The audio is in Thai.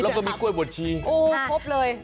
แล้วก็มีกล้วยบดชีโอ้ครบเลย